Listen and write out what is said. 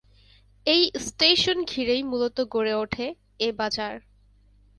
এই স্টেশন ঘিরেই মূলত গড়ে ওঠে এ বাজার।